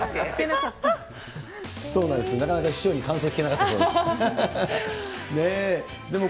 なかなか師匠に感想聞けなかったそうです。